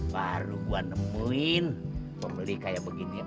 baru gua nemuin pembeli kayak begini